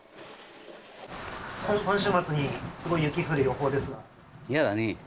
今週末にすごい雪降る予報で嫌だね。